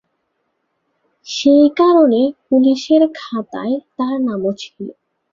সেই কারণে পুলিশের খাতায় তার নামও ছিল।